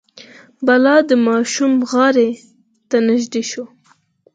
بلا د ماشوم غاړې ته نژدې شو.